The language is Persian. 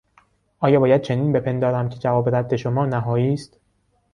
آیا باید چنین بپندارم که جواب رد شما نهایی است؟